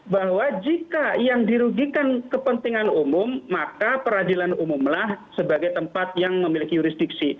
bahwa jika yang dirugikan kepentingan umum maka peradilan umumlah sebagai tempat yang memiliki jurisdiksi